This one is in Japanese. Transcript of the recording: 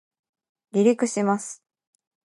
離陸します